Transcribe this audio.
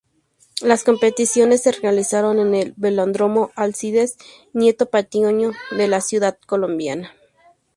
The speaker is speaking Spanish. Las competiciones se realizaron en el Velódromo Alcides Nieto Patiño de la ciudad colombiana.